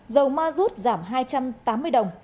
dầu ma rút giảm hai trăm tám mươi đồng